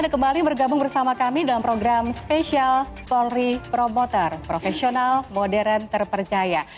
anda kembali bergabung bersama kami dalam program spesial polri promoter profesional modern terpercaya